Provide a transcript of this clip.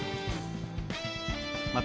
また、